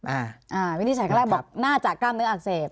อ่าวินิจฉัยครั้งแรกบอกน่าจะกล้ามเนื้ออักเสบ